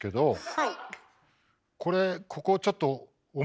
はい。